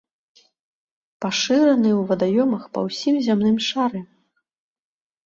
Пашыраны ў вадаёмах па ўсім зямным шары.